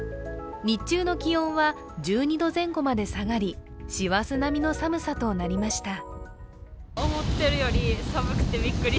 日中の気温は１２度前後まで下がり師走並みりの寒さとなりました。